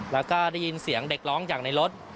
แล้วก็ได้ยินเสียงเด็กร้องอย่างในรถ